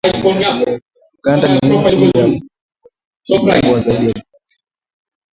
Uganda ni nchi ya pili kwa usafirishaji mkubwa zaidi wa bidhaa